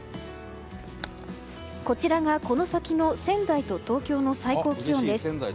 こちらがこの先の仙台と東京の最高気温です。